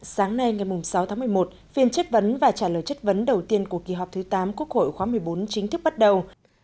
sáng nay ngày sáu tháng một mươi một phiên chất vấn và trả lời chất vấn đầu tiên của kỳ họp thứ tám quốc hội khóa một mươi bốn chính thức bắt đầu